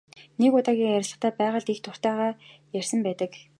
Нэг удаагийн ярилцлагадаа байгальд их дуртай тухайгаа ярьсан байдаг.